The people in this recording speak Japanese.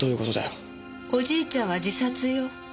おじいちゃんは自殺よ。